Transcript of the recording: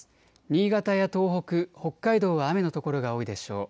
新潟や東北、北海道は雨の所が多いでしょう。